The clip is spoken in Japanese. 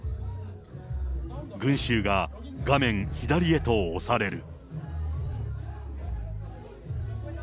群集が画面左へと押される。